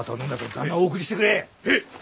旦那をお送りしてくれ。